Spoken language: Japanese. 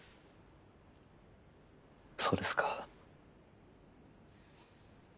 そうですか。